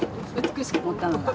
美しく盛ったのが。